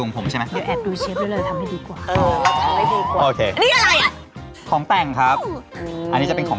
ถ้างั้นเชฟแต่งของเชฟไปก่อน